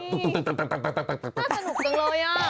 สนุกจังเลยอ่ะ